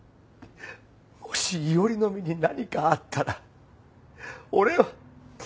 もし伊織の身に何かあったら俺は俺は！